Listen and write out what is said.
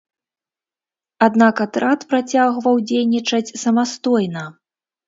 Аднак, атрад працягваў дзейнічаць самастойна.